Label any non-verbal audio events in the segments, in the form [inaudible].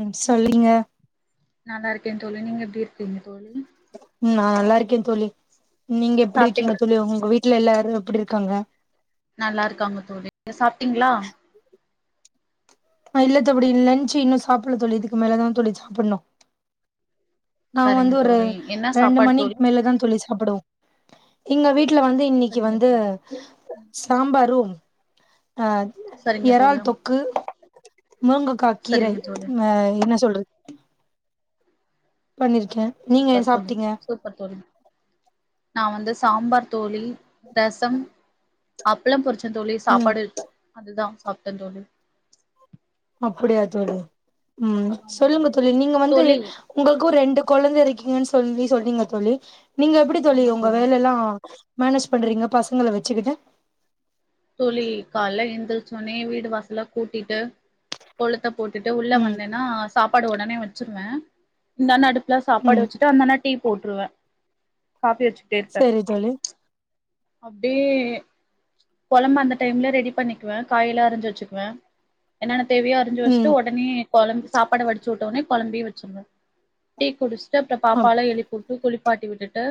ம் சொல்லுங்க நல்லா இருக்கேன் தோழி நீங்க எப்படி இருக்கீங்க தோழி ம் நா நல்லா இருக்கேன் தோழி நீங்க எப்படி சாப்ட்டீங் இருக்கீங்க தோழி உங்க வீட்டுல எல்லாரும் எப்படி இருக்காங்க நல்லா இருக்காங்க தோழி சாப்ட்டீங்களா ஆ இல்லதப்படி லஞச் இன்னு சாப்புட்ல தோழி இதுக்கு மேலதா தோழி சாப்புட்ணு நா வந்து சரிங்க ஒரு தோழி என்ன ரெண்டு சாப்பாடு மணிக் தோழி மேல தா தோழி சா சாப்படுவோம் எங்க வீட்ல வந்து இன்னக்கி சரிங்க வந்து தோழி சாம்பாரும் அ சரிங்க தோழி எறால் தொக்கு முருங்கக் கா கீரை சரிங்க தோழி ஹ என்ன சொல்றது பண்ணிறிக்கே சூப்பர் சொல்லுங் சூப்பர் தோழி நா வந்து சாம்பார் தோழி ரசம் அப்பலம் பொறிச்ச தோழி ம் சாப்பாடு அதுதா சாப்ட தோழி அப்டியா தோழி ம் சொல்லுங்க தோழி நீங்க வந்து தோழி உங்களுக்கும் ரெண்டு குழந்த இருக்கீங்கன்னு சொல்லி சொன்னீங்க தோழி நீங்க எப்டி தோழி உங்க வேல எல்லா மேனேஜ் பண்றீங்க பசங்கள வச்சிகிட்டு தோழி கால்ல எந்திரிச்சோனே வீடு வாசல்லா கூட்டிட்டு கோலத்த போட்டுட்டு உள்ள ம் வந்தேனா சாப்பாடு உடனே வச்சிருவே இந்தான அடுப்புல சாப்பாடு ம் வச்சி ட்டவந்தனா டீ போட்ருவ காபி வச்சு சரி தோழி அப்டே ஏ குழம்பு அந்த டைம்ல ரெடி பண்ணிக்குவ காயல்லா அறி்ஞ்சி வச்சுக்குவ என்னன்ன தேவையோ அரிஞ்சு ம் வஸ்ட்டு உடனே குழம் சாப்பாட வடிச்சி உட்டோனே குழம்பையு வச்சுர்னு டீ குடிஸ்ட்டு அப்பறம் அப் பாப்பாலா எழுப்புட்டு குளிப்பாட்டி விட்டுட்டு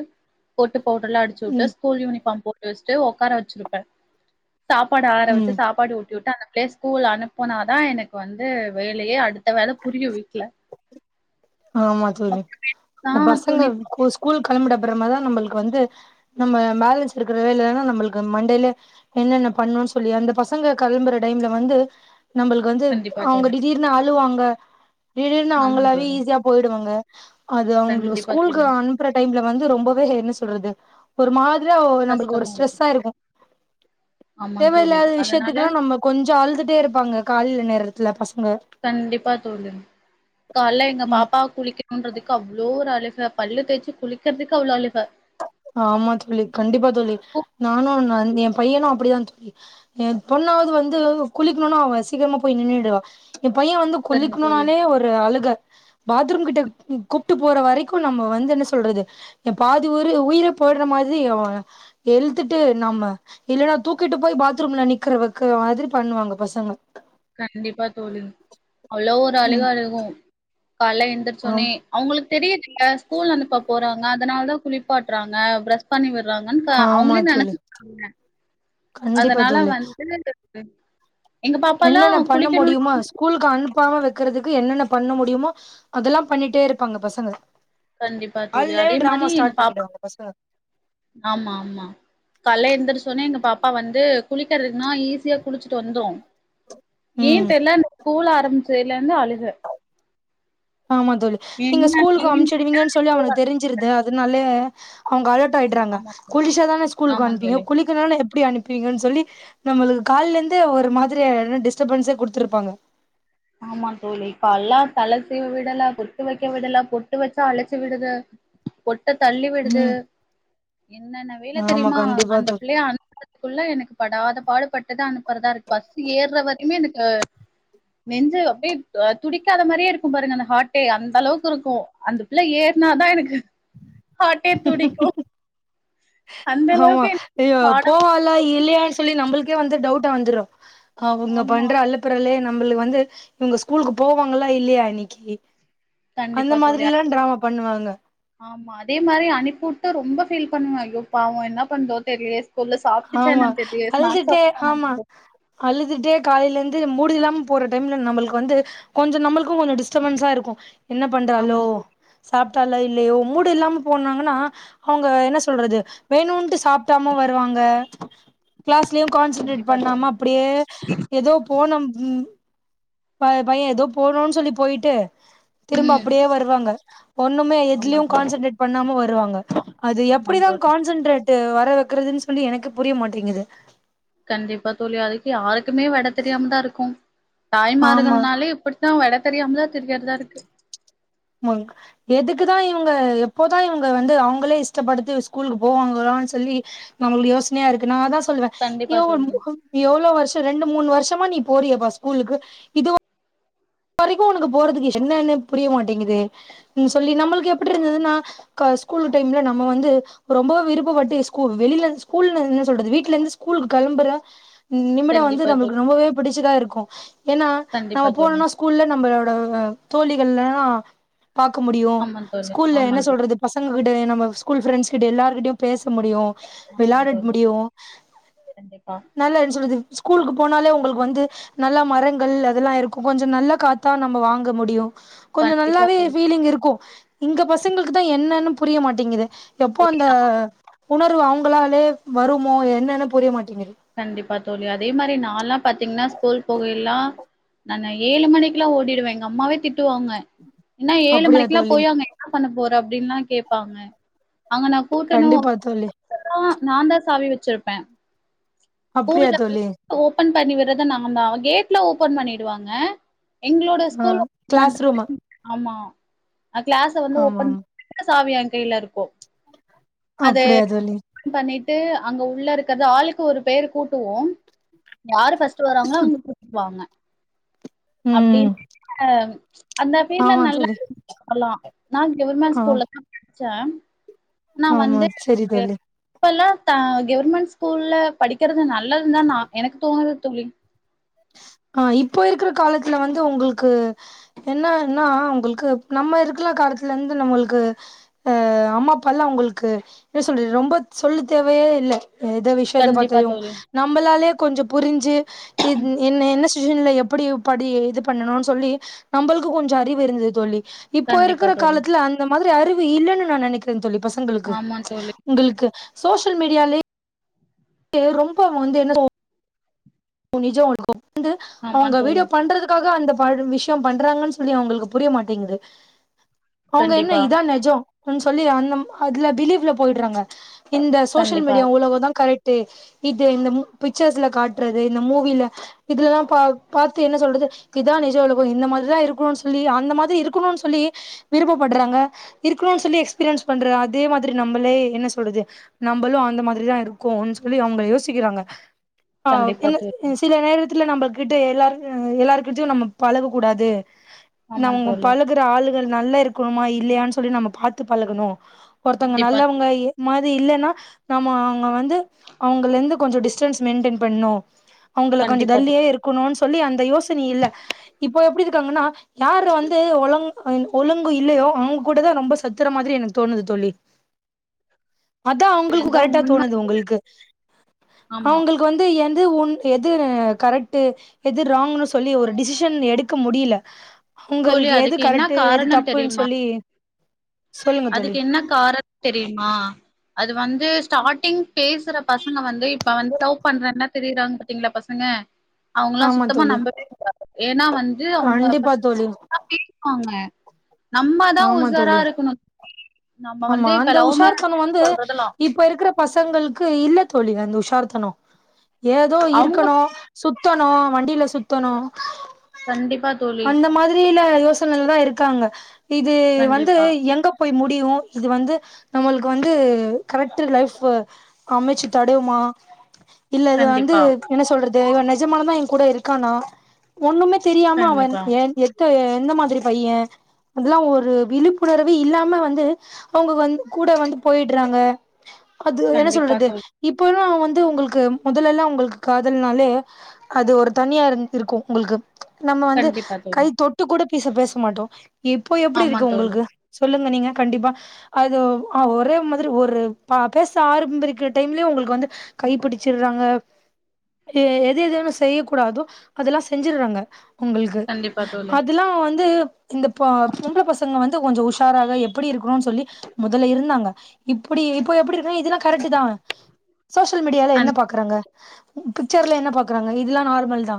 போட்டு பவுடர் எலாம் அடிச்சி உட்டு ம் ஸ்கூல் யூனிஃபார்ம் போட்டு வஸ்ட்டு உக்கார வச்சிருப்ப சாப்பாடு ஆற வச்சு ம் சாப்பாடு ஊட்டி உட்டு அந்த பிளேஸ் ஸ்கூல் அனுப்புனாதா எனக் வந்து வேலையே அடுத்த வேல புரியு வீட்ல ஆமா தோழி ஆ இந்த பசங்க துணி ஸ்கூல் கிளம்பிட அப்றமா தா நம்ளுக்கு வந்து நம்ம பேலன்ஸ் இருக்கிற வேலன்னா நம்ளுக்கு மண்டேலே என்னென்ன பண்ணு சொல்லி அந்த பசங்க களம்புற டைம்ல வந்து நம்ளுக் வந்து கண்டிப்பா அவுங்க தோழி டிஜிர்னு அழுவாங்க டிடீர்னு ஆமா அவுங்களாவே தோழி ஈஸியா போய்டுவாங்க அது அவுங்கள கண்டிப்பா ஸ்கூலுக்கு தோழி அனுப்புற டைம்ல வந்து ரொம்பவே என்ன சொல்றது ஒரு மாதிரியா நம்ளுக்கு ஒரு ஸ்ட்ரெஸ்ஸா இருக்கு ஆமா தோழி தேவயில்லாத அதனால விஷயத்துக்லா நம்ம கொஞ்சோ அழுதுட்டே இருப்பாங்க கால்ல நேரத்துல பசங்க கண்டிப்பா தோழி கால்ல எங்க ம் பாப்பா குளிக்க தோன்றதுக்கு அவ்ளோ ஒரு அழுக பல்லு தேய்ச்சி குளிக்கறதுக்கு அவ்ளோ அழுக ஆமா தோழி கண்டிபா தோழி ஓ! நானு அவன் எ பையனு அப்டிதா தோழி என் பொண்ணாவது வந்து குளிக்கணுனா அவ சீக்கிரமா போய் நின்னிடுவா என் பையன் வந்து சரிங்க தோழி குளிக்கணுனாலே ஒரு அழுக பாத்ரூம் கிட்ட கூப்ட்டு போற வரைக்கும் நம்ம வந்து என்ன சொல்றது எ பாதி உயிர் உயிரே போய்டுற மாரி அவ எளுதுட்டு நம்ப இல்லனா தூக்கிட்டு போய் பாத்ரூம்ல நிக்கறவக்ற மாதிரி பண்ணுவாங்க பசங்க கண்டிப்பா தோழி அவ்ளோ ஒரு அழுக ம் அழுகும் கால்ல எந்திரசோனே ஆம் அவுங்ளுக்கு தெரிதில்ல ஸ்கூல் அனுப்ப போறாங்க அதனால தா குளிப்பாட்றாங்க பிரஷ் பண்ணி விடுறாங்கன்டு ஆமா அவுங்ளே தோழி நனச்சிக்றாங்க கண்டிப்பா தோழி எங்க பாப்பாலாம் என்னென்ன பண்ண குளிக்கணும்னா முடியுமோ அத சொ ஸ்கூலுக்கு அனுப்பாம வக்கிறதுக்கு என்னென்ன பண்ண முடியுமோ அதெல்லா பண்ணிட்டே இருப்பாங்க பசங்க கண்டிப்பா தோழி கால்லே அதே டிராமா மாரி எங்க ஸ்டார்ட் பாப்பா பண்ணிடுவாங்க பசங்க ஆமா ஆமா கால்ல எழுந்திரச்சோன்னே எங்க பாப்பா வந்து குளிக்கிறதுக்குன்னா ஈஸியா குளிச்சுட்டு வந்துடோ ஏ ம் தெர்ல அந்த ஸ்கூல் ஆரம்பிச்சதுல்ல இருந்து அழுக ஆமா தோழி நீங்க என்ன ஸ்கூலுக்கு ஏன் கேட்டா அம்ச்சிடுவீங்கன்னு சொல்லி ஸ்கூல் அவனக்கு தெரிஞ் சிறுது அதனாலே அவுங்க அலர்ட் ஆய்டுறாங்க ஆமா தோழி, குளிச்சா தான ஸ்கூலுக்கு ஆமா அனுப்புவீங்க தோழி. குளிக் இதனால எப்டி அனுப்புவீங்கன்னு சொல்லி நம்ளுக்கு கால்ல இர்ந்தே ஒரு மாதிரி டிஸ்டபன்ஸ் குடுத்துருப்பாங்க ஆமா தோழி இப்பல்லா தலை சீவ விடல பொட்டு வைக்க விடல பொட்டு வெச்சா அலச்சு விடுது பொட்ட தள்ளி விடுது ம் என்னன்ன வேல ஆமா தெரியுமா கண்டிப்பா அந்த தோழி பிள்ளைய அனுப்புறது க்குள்ள எனக்கு படாத பாடுபட்டுதா அனுப்புறதா இருக்கு பஸ்சு ஏற வரயுமே எனக்கு நெஞ்சு அப்டியே அ துடிக்காத மாரியே இருக்கோ பாருங்க அந்த ஹார்டே அந்த அளவுக்கு இருக்கோ அந்த பிள்ள ஏறனாதா எனக்கு ஹாட்டே துடிக்கோ ஆமா எனக்கு ஐயோ பாடம் போவாள் ளா இல்லையானு சொல்லி நம்முளுக்கே வந்து டவுட் வந்துரோ அவுங்க ஆமா பண்ற அலப் அப்புறலே நம்முளுக்கு வந்து இவுங்க ஸ்கூலுக்கு போவாங்களா இல்லையா இன்னிக்கி கண்டிப்பா தோழி அ பண்ணுவாங்க ஆமா அதே மாரி அனுப்பிவுட்டோ ரொம்ப ஃபீல் பண்ணுவ ஐயோ பாவோ என்ன பண்தோ தெரிலயே புள்ள சாப்டுச்சா ஆமா என்னான்னு தெர்லயே ஸ்நாக்ஸ் அழுதுட்டே சாப்டுச்சா என்னான்னு ஆமா தெர்லயே அழுதுட்டே காலைல இருந்து மூடு இல்லாம போற டைம்ல நம்முளுக்கு வந்து கொஞ்சோ நம்மளுக்கு கொஞ்சோ டிஸ்டர்பன்ஸா இருக்கோ என்ன ஆமா பண்றாளோ தோழி சாப்ட்டாலோ இல்லயோ மூடு இல்லாம போனாங்கன்னா அவுங்க என்ன சொல்றது வேணுன்ட்டு சாப்ட்டாம வருவாங்க க கிளாஸ்லயு கான்சன்ட்ரேட் கண்டிப்பா தோழி. பண்ணாம அப்டியே எதோ போனம் ப பைய எதோ போணோன்னு சொல்லி போய்ட்டு திரும்ப ம். அப்டியே வருவாங்க ஒண்ணுமே ஆமா எதுலயு தோழி. கான்சென்ட்ரேட் பண்ணாம வருவாங்க அது ஆமா எப்டிதா தோழி. கான்சன்ட்ரேட்டு வர வெக்கறதுன்னு சொல்லி எனக்கு புரிய மாட்டேங்குது கண்டிப்பா தோழி அதுக்கு யாருக்குமே வெட தெரியாம தா இருக்கோ தாய் ஆமா மார்கள்னாலே இப்டி தா வெட தெரியாமாதா திரியறதா இருக்கு ஆமாங்க எதுக்குதா இவுங்க எப்போதா இவுங்க வந்து அவுங்களே இஷ்டப்படுத்து ஸ்கூலுக்கு போவாங்களானு சொல்லி நம்மளுக்கு யோசனையா இருக்குன்னா நா அதா சொல்லுவ ஏ கண்டிப்பா உ தோழி. முகோம் எவ்ளோ வர்ஷம் ரெண்டு மூணு வர்ஷமா நீ போறியேப்பா ஸ்கூலுக்கு இது ஒ வரிக்கு உனக்கு போறதுக்கு இஸ் என்னன்ன புரிய மாட்டிங்குதே சொல்லி நம்முளுக்கு எப்டி இருந்ததுன்னா க ஸ்கூல் டைம்ல நம்ம வந்து ரொம்ப விருப்பட்டு ஸ்கூல் வெளில ஸ்கூல்ல என்ன சொல்றது வீட்ல இருந்து ஸ்கூலு கெளம்புற நிமிடம் வந்து கண்டிப்பா நம்முளுக்கு தோழி. ரொம்பவே பிடிச்சதா இருக்கோ ஏன்னா நம்ம கண்டிப்பா தோழி. போனோனா ஸ்கூல்ல நம்மளோட தோழிகள்லா பாக்க முடியு ஆமா தோழி. ஸ்கூல்ல ஆமா என்ன தோழி. சொல்றது பசங்க கிட்ட நம்ம ஸ்கூல் ப்ரெண்ட்ஸ் கிட்ட எல்லார்கிட்டயு பேச முடியு ஆமா வெளையாடட் தோழி. முடியு கண்டிப்பா. நல்லா என் சொல்றது ஸ்கூலுக்கு போனாலே உங்குளுக்கு வந்து நல்லா மரங்கள் அதெல்லா இருக்கோ கொஞ்சோ நல்ல காத்தா நம்ம வாங்க முடியு கொஞ்சோ கண்டிப்பா நல்லாவே தோழி. ஃபீலிங் இருக்கோ இங்க பசங்களுக்கு தா என்னன்னு புரிய மாட்டிங்குது எப்போ அந்த உணர்வு அவங்களாலே வருமோ என்னன்னு புரிய மாட்டீங்குது கண்டிப்பா தோழி அதே மாரி நான்ல்லா பார்த்தீங்கன்னா ஸ்கூல் போகையல்லா நானு ஏழு மணிக்குலா ஓடிருவே எங்க அம்மாவே திட்டுவாங்க என்னா ஏழு அப்படியா மணிக்குலா தோழி போயி அங்க என்ன பண்ண போற அப்டீன்லா கேப்பாங்க அவுங்க நா கூட்டணோ கண்டிப்பா தோழி [unintelligible] நா தா சாவி வெச்சிருப்பே அப்படியா ஸ்கூல்ல தோழி ஓபன் பண்ணி விட்றது நா தா அவ கேட்ல ஓபன் பண்ணிடுவாங்க எங்களோட ஆ ஸ்கூல் கிளாஸ் ரூம் [inaudible] ஆமா கிளாஸ வந்து ஆமா ஓப்பன் ஆமா [inaudible] சாவி என் கையில இருக்கு அது அப்படியா தோழி [inaudible] பண்ணிட்டு அங்க உள்ள இருக்கிற ஆளுக்கு ஒரு பேரு கூட்டுவோ யாரு ஃபர்ஸ்ட் வராங்களோ அவங்க கூட்டுவாங்க அப்படி ம் [inaudible] அந்த ஃபீல்ட்ல ஆமா தோழி நல்லா நா கவர்மெண்ட் ஆ ஸ்கூல்ல தா படிச்ச நா ஆமா வந்து சரி [inaudible] தோழி இப்பல்லா கவர்மெண்ட் ஸ்கூல்ல படிக்கிறது நல்லதுதா நா எனக்கு தோணுது தோழி ஆ இப்போ இருக்கற காலத்துல வந்து உங்களுக்கு என்னன்னா ஏங்களுக்கு நம்ம இருக்கற காலத்துல இருந்து நம்மளுக்கு ஆ அம்மா அப்பா எல்லா உங்களுக்கு என்ன சொல்றது ரொம்ப சொல்ல தேவையே இல்லை எத விஷயத்த கண்டிப்பா பத்தியு தோழி நம்மளாலே கொஞ்ச புரிஞ்சு என்ன என்ன டுஷன்ல எப்டி படி இது பண்ணணு சொல்லி நம்மளுக்கு கொஞ்சோ அறிவு இருந்தது தோழி இப்போ கண்டிப்பா இருக்கிற தோழி காலத்துல அந்த மாதிரி அறிவு இல்லைன்னு நா நெனைக்கிற தோழி பசங்களுக்கு ஆமா தோழி உங்களுக்கு சோசியல் மீடியாலே ரொம்ப வந்து என்ன சொ நிஜோ உங்களுக்கு வந்து ஆமா அவுங்க தோழி வீடியோ பண்றதுக்கு எதுக்காக அந்த விஷ்யோ பண்றாங்கன்னு சொல்லி அவுங்களுக்கு புரிய மாட்டிங்குது அவுங்க என்ன கண்டிப்பா இதா நெஜோ சொல்லி அந்த அதுல பிலீவ்ல போயிட்றாங்க இந்த சோசியல் கண்டிப்பா மீடியா உலகோ தா கரெக்ட் இது இந்த பிக்சர்ஸ்ல காட்றது இந்த மூவில இதுலல்லா பா பாத்து என்ன சொல்றது இதுக்குதா நிஜ உலகோ இந்த மாதிரிதா இருக்கு சொல்லி அந்த மாதிரி இருக்கணு சொல்லி விருப்பப்பட்றாங்க இருக்கணும்னு சொல்லி எக்ஸ்பீரியன்ஸ் பண்ற அதே மாதிரி நம்மளே என்ன சொல்றது நம்மளு அந்த மாதிரிதா இருக்கோ சொல்லி அவங்க யோசிக்கிறாங்க ஆ கண்டிப்பா என்ன தோ சில நேரத்துல நம்ம கிட்ட எல்லார் எல்லாரு கிட்டயு நம்ம பழக கூடாது ஆமா நம்ம தோழி பழகுற ஆளுகள் நல்லா இருக்கணுமா இல்லையான்னு சொல்லி நம்ம பாத்து பழகணு ஒருத்தவங்க கண்டிப்பா நல்லவங்க மாரி இல்லன்னா நம்ம அவுங்க வந்து அவங்கலந்து கொஞ்ச டிஸ்டன்ஸ் மெயின்டெயின் பண்ணணு அவங்கள கொஞ்ச கண்டிப்பா தள்ளியே தோழி இருக்கணுன்னு சொல்லி அந்த யோசனி இல்ல இப்போ எப்டி இருக்காங்கன்னா யாரு வந்து ஒழுங்க் ஒழுங்கு இல்லையோ அவுங்க கூட தா ரொம்ப சுத்தற மாதிரி எனக்கு தோணுது தோழி அதா அவுங்களுக்கு இதுதா கரெக்டா உண்ம தோணுது உங்களுக்கு ஆமா அவுங்களுக்கு வந்து என் எது எது கரெக்டு எது ராங்ன்னு சொல்லி ஒரு டிசிஷன் எடுக்க முடில தோழி உங்களுக்கு எது அதுக்கு என்ன கரெக்டு எது காரணம் தப்புன்னு தெரியுமா சொல்லி சொல்லுங்க தோழி அதுக்கு என்ன கார தெரியுமா அது வந்து ஸ்டார்டிங் பேசுற பசங்க வந்து இப்ப வந்து லவ் பண்றேனா திரியறாங்கு பாத்தீங்களா பசங்க அவங்கல்லா ஆமா சுத்தமா தோழி நம்பவே கூடாது ஏன்னா வந்து அவங்க கண்டிப்பா தோழி [inaudible] பேசுவாங்க நம்மதா ஆமா உசாரா தோழி இருக்கணு நம்ம ஆமா வந்து இப்ப அந்த லவ் மேரேஜ் உஷார்தணோ வந்து சொல்றதெல்லா இப்ப இருக்கற பசங்களுக்கு இல்ல தோழி அந்த உஷார்த்தணோ ஏதோ அவங்க இருக்கணு சுத்தணு வண்டில சுத்தணு கண்டிப்பா தோழி அந்த மாதிரில யோ சனைல தா இருக்காங்க இது வந்து கண்டிப்பா எங்க போய் முடியு இது வந்து நம்மளுக்கு வந்து கரெக்ட்டில்ட் லைஃப்பா அமைச்சு தடையுமா இல்ல இது வந்து கண்டிப்பா என்ன சொல்றது இவன் நிஜமாலுந்தா ஏ கூட இருக்கானா ஒண்ணுமே தெரியாம அவன் கண்டிப்பா ஏன் எது த்து எந்த மாதிரி பைய அதெல்லா ஒரு விழிப்புணர்வே இல்லாம வந்து அவுங்க வந்து கூட வந்து போயிற்றாங்க அது என்ன கண்டிப்பா சொல்றது தோழி இப்பெல்லா வந்து உங்ளுக்கு மொதலெல்லா உங்ளுக்கு காதல்னாலே அது ஒரு தனியா இருந்துருக்கு உங்ளுக்கு நம்ம வந்து கண்டிப்பா கை தோழி தொட்டு கூட பேச பேச மாட்டோ இப்போ எப்டி ஆமா இருக்கு தோழி உங்ளுக்கு சொல்லுங்க நீங்க கண்டிப்பா அது ஆ ஒரே மாதிரி ஒரு பேச ஆரம்பிர்கிற டைம்லயு உங்ளுக்கு வந்து கைப் பிடிச்சிற்றாங்க எது எதுன்னு செய்ய கூடாதோ அதெல்லா செஞ்சிற்றாங்க உங்ளுக்கு கண்டிப்பா தோழி அதெல்லா வந்து இந்த பொ பொம்பளை பசங்க வந்து கொஞ்சோ உஷாராக எப்டி இருக்குணுனு சொல்லி மொதல்ல இருந்தாங்க இப்டி இப்ப எப்டி இருக்கு இதெல்லா கரெக்ட்டு தா சோசியல் மீடியால என்ன கண் பாக்குறாங்க பிக்சர்ல என்ன பாக்குறாங்க இதெல்லா நார்மல் தா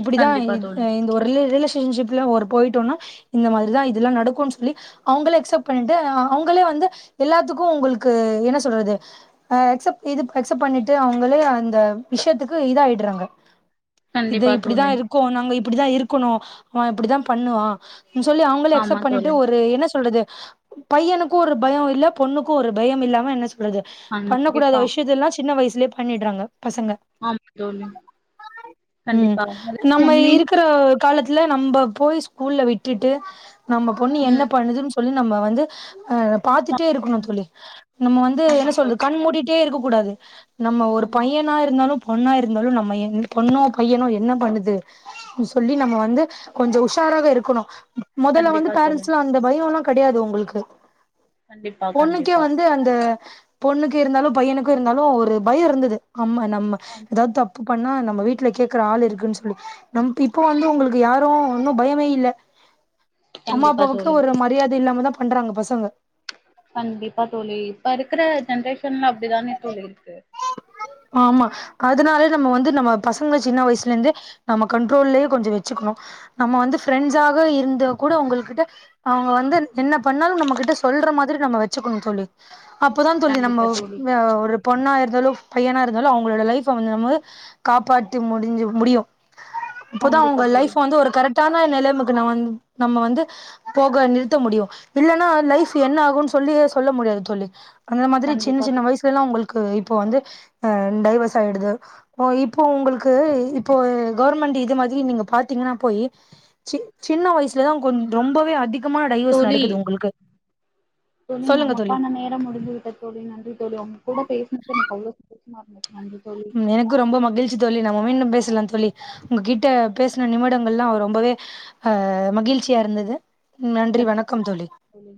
இப்டிதா கண்டிப்பா இந் தோழி இந்த ஒரு ரிலே ரிலேசே ரிலேசன் சிப் போயிட்டம்னா இந்த மாதிரிதா இதெல்லா நடக்கு சொல்லி அவுங்களே எக்செப்ட் பண்ணிட்டு அவுங்களே வந்து எல்லாத்துக்கு உங்ளுக்கு என்ன சொல்றது அ எக்செப்ட் இது எக்செப்ட் பண்ணிட்டு அவுங்களே அந்த விஷியத்துக்கு இது ஆயிடுறாங்க இது கண்டிப்பா இப்டிதா தோழி இருக்கு நாங்க இப்டிதா இருக்குணு அவன் இப்டிதா பண்ணுவா சொல்லி அவுங்களே ஆமா அக்செப்ட் பண்ணிட்டு தோழி ஒரு என்ன சொல்றது பையனுக்கு ஒரு பயம் இல்ல பொண்ணுக்கு ஒரு பயம் இல்லாம என்ன சொல்றது பண்ணக் கூடாத கண்டிப்பா விஷயத்தெல்லா சின்ன வைஸ்லியே பண்ணிற்றாங்க பசங்க ஆமா தோழி ம் கண்டிப்பா நம்ம உண்மையு இருக்குற ந்த காலத்துல நம்ம போய் ஸ்கூல்ல விட்டுட்டு நம்ம பொண்ணு என்ன ம் பண்ணுதுன்னு சொல்லி நம்ம வந்து அ‌ பாத்துட்டே இருக்குணு தோழி நம்ம வந்து ஆமா என்ன தோழி சொல்றக் கண் மூடிட்டே இருக்க கூடாது நம்ம ஒரு ஆமா பையனா இருந்தாலு பொண்ணா இருந்தாலு நம்ம பொண்ணோ பையனோ என்ன பண்ணுது சொல்லி நம்ம வந்து கொஞ்சோ உஷாராவே இருக்குணு மொதல்ல வந்து கண்டிப்பா தோழி பேரண்ட்ஸ்லா அந்த பயோல்லா கெடையாது உங்ளுக்கு கண்டிப்பா பொண்ணுக்கே கண்டிப்பா வந்து அந்த பொண்ணுக்கு இருந்தாலு பையனுக்கு இருந்தாலு ஒரு பயோ இருந்துது ஆமா நம்ம ஆ எதாவுது தப்பு பண்ணா நம்ம வீட்டுல கேக்குற ஆள் இருக்குன்னு சொல்லி நம்ப் இப்ப வந்து உங்ளுக்கு யாரு ஒன்னு பயமே இல்ல [inaudible] அம்மா அப்பாவுக்கு தோழி ஒரு மரியாதை இல்லாமதா பண்றாங்க பசங்க கண்டிப்பா தோழி இப்ப இருக்குற ஜென்ரேஷன்ல அப்டிதானே தோழி இருக்கு ஆமா அதுனாலே நம்ம வந்து நம்ம பசங்கள சின்ன வயசுல இருந்தே நம்ம கண்ட்ரோல்லே கொஞ்சோ வச்சுக்குணு நம்ம வந்து ஃப்ரெண்ட்ஸாக இருந்த கூட உங்கள் கிட்ட அவுங்க வந்து என்ன பண்ணாலு நம்ம கிட்ட சொல்ற மாதிரி நம்ம வச்சுக்குணு தோழி அப்பதா தோழி நம்ம கண்டிப்பா தோழி ஒரு பொண்ணா இருந்தாலு பையனா இருந்தாலு அவுங்களோட லைஃப் வந்த போது காப்பாற்றி முடிஞ்சி முடியு இப்பதா கண்டிப்பா அவுங்க தோழி லைஃப் வந்து ஒரு கரெக்ட் டான நிலமக்கு நா வந்து நம்ம வந்து போக நிறுத்த முடியு இல்லனா லைஃப் என்ன ஆகுனு சொல்லி சொல்ல முடியாது தோழி அந்த மாரி சின்ன கண்டிப்பா தோ சின்ன வயசுலெல்லா அவுங்குளுக்கு இப்போ வந்து அ டைவஸ் ஆயிடுது ஓ இப்போ உங்களுக்கு இப்போ கவர்மெண்டு இது மாதிரி நீங்க பாத்தீங்கனா போயி சி சின்ன வயசுல தா கொண் ரொம்பவே அதி தோழி தோழி நமக்கான நேரம் முடிந்து விட்டது தோழி நன்றி தோழி உங்க கூட பேசுனது எனக்கு அவ்ளோ சந்தோஷமா இருந்துச்சு நன்றி தோழி ம் எனக்கு ரொம்ப மகிழ்ச்சி தோழி நம்ம மீண்டும் பேசலா தோழி உங்க கிட்ட பேசன நிமிடங்கள்லா ரொம்பவே அ மகிழ்ச்சியா இருந்தது நன்றி சரி, வணக்கம் தோழி தோழி